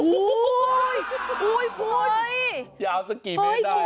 อุ๊ยคุณเห้ยยาวสักกี่เมตรได้